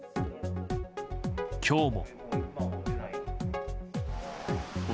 今日も。